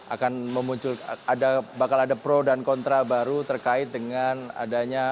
akan memunculkan bakal ada pro dan kontra baru terkait dengan adanya